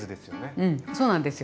うんそうなんですよ。